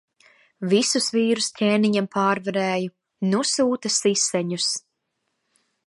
Visus vīrus ķēniņam pārvarēju. Nu sūta siseņus.